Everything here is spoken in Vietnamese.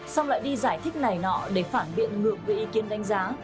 xong lại đi giải thích này nọ để phản biện ngược về ý kiến đánh giá